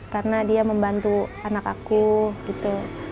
karena dia membantu anak aku gitu